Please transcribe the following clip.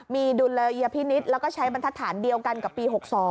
มีดูลเรียพินิศแล้วก็ใช้บันทฐานเดียวกันกับปี๖๒